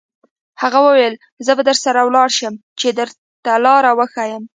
هغه وویل: زه به درسره ولاړ شم، چې درته لار وښیم.